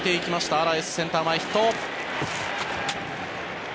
アラエス、センター前ヒット。